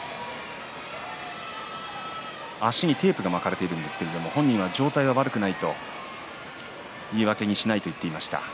足にテープが巻かれているんですが本人は状態は悪くないと言い訳にしないと言っていました。